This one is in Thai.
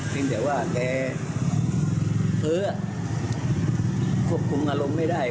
แต่ว่าแกเพ้อควบคุมอารมณ์ไม่ได้